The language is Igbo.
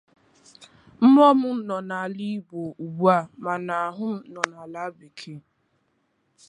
Mmụọ mụ nọ n’Ala Igbo ugbu a mana ahụ mụ nọ na ala bekee.